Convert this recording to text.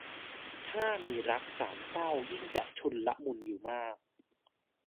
ถ้ามีรักสามเส้ายิ่งจะชุลมุนอยู่มาก